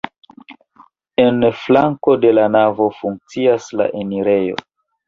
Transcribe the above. En flanko de la navo funkcias la enirejo.